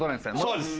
そうです。